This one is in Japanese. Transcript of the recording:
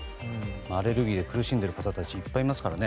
アレルギーで苦しんでいる方たちいっぱいいますからね。